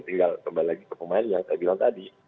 tinggal kembali lagi ke pemain yang saya bilang tadi